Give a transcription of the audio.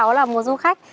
chú ơi cháu là một du khách